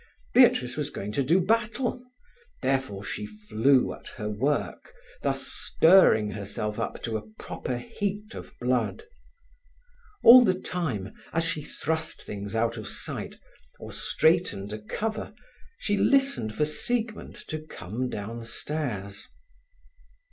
Beatrice was going to do battle, therefore she flew at her work, thus stirring herself up to a proper heat of blood. All the time, as she thrust things out of sight, or straightened a cover, she listened for Siegmund to come downstairs.